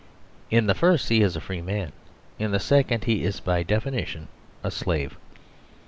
In the first he is a free man; in the second he is by definition a slave.